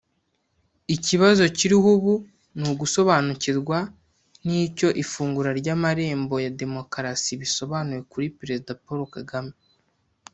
Ikibazo kiriho ubu ni ugusobanukirwa n’icyo ifungura ry’amarembo ya demokarasi bisobanuye kuri Perezida Paul Kagame